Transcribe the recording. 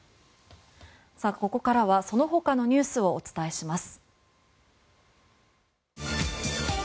ここからはその他のニュースをお伝えします。